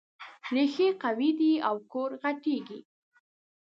ريښې قوي دي او کور غټېږي.